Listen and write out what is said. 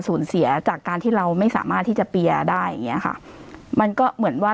สูญเสียจากการที่เราไม่สามารถที่จะเปียร์ได้อย่างเงี้ยค่ะมันก็เหมือนว่า